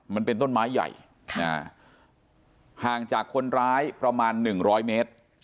มันเป็นต้นไม้ใหญ่ห่างจากคนร้ายประมาณ๑๐๐เมตร